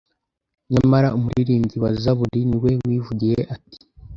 nyamara umuriririmbyi wa zaburi niwe wivugiye ati